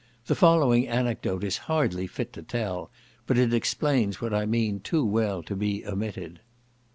The following anecdote is hardly fit to tell, but it explains what I mean too well to be omitted.